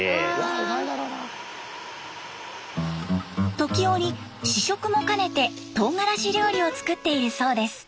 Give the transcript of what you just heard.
時折試食も兼ねてとうがらし料理を作っているそうです。